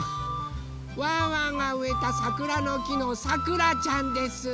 ワンワンがうえたさくらのきのさくらちゃんです。